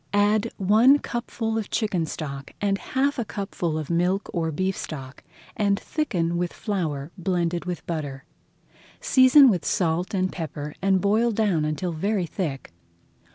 Add one cupful of chicken stock and half a cupful of milk or beef stock, and thicken with flour blended with butter. Season with salt and pepper and boil down until very thick.